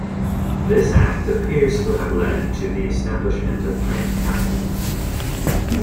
This act appears to have led to the establishment of Kent County.